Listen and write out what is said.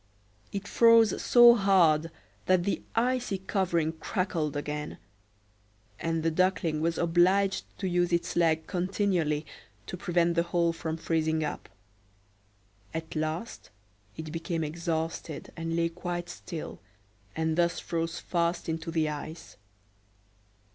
It froze so hard that the icy covering crackled again; and the Duckling was obliged to use its legs continually to prevent the hole from freezing up. At last it became exhausted, and lay quite still, and thus froze fast into the ice.